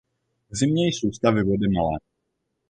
V zimě jsou stavy vody malé.